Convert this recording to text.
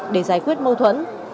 để giải quyết mâu thuẫn